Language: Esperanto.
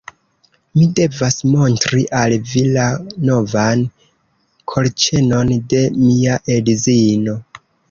Mi devas montri al vi la novan kolĉenon de mia edzino